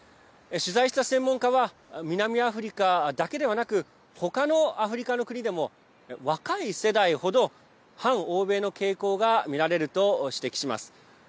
取材した専門家は南アフリカだけではなく他のアフリカの国でも若い世代程反欧米の傾向が見られると指摘します。